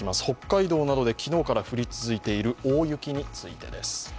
北海道などで昨日から降り続いている大雪についてです。